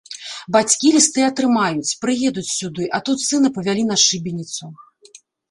Бацькі лісты атрымаюць, прыедуць сюды, а тут сына павялі на шыбеніцу.